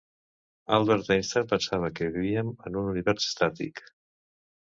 Albert Einstein pensava que vivíem en un univers estàtic.